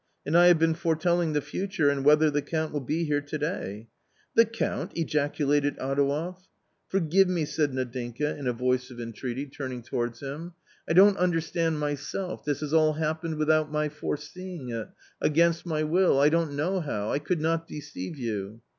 And I have been foretelling the future, and whether the Count will be here to day." " The Count !" ejaculated Adouev. "Forgive me!" said Nadinka, in a voice of entreaty, A COMMON STORY 125 turning towards him. "I don't understand myself— this has all happened without my foreseeing it .... against my will .... I don't know how .... I could not deceive you."